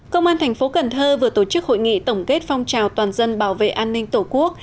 công an thành phố cần thơ vừa tổ chức hội nghị tổng kết phong trào toàn dân bảo vệ an ninh tổ quốc